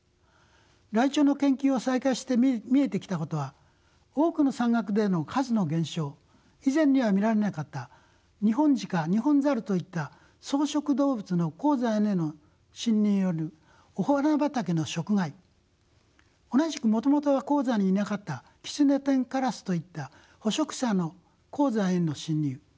ライチョウの研究を再開して見えてきたことは多くの山岳での数の減少以前には見られなかった二ホンジカニホンザルといった草食動物の高山への侵入によるお花畑の食害同じくもともとは高山にいなかったキツネテンカラスといった捕食者の高山への侵入